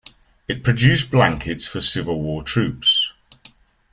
It produced blankets for Civil War troops.